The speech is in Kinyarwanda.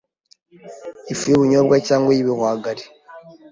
ifu y’ubunyobwa cyangwa iy’ibihwagari